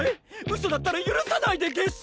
ウソだったら許さないでげす！